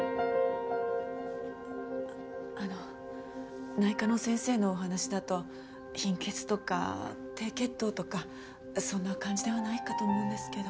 あの内科の先生のお話だと貧血とか低血糖とかそんな感じではないかと思うんですけど。